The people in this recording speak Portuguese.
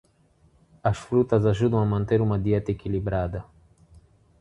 As frutas ajudam a manter uma dieta equilibrada.